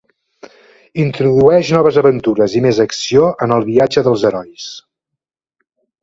Introdueix noves aventures i més acció en el viatge dels herois.